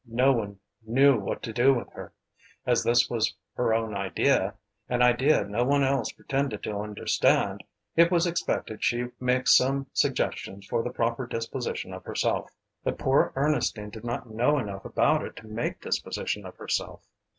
No one knew what to do with her; as this was her own idea, an idea no one else pretended to understand, it was expected she make some suggestions for the proper disposition of herself. But poor Ernestine did not know enough about it to make disposition of herself.